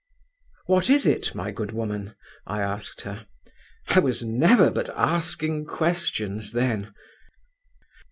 'What is it, my good woman?' I asked her. (I was never but asking questions then!)